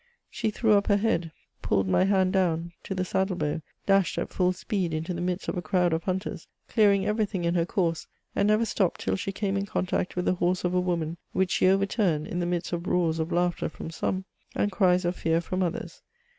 She threw up her head — pulled my hand down to the saddle bow — dashed at full speed into the midst of a crowd of hunters, clearing ererything in her course, and nerer stopped till she came in contact with the horse of a woman, which she oTertumed, in the midst of roan' of laughter from some, and cnea of fear from others.